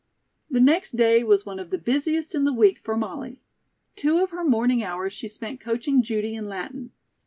The next day was one of the busiest in the week for Molly. Two of her morning hours she spent coaching Judy in Latin.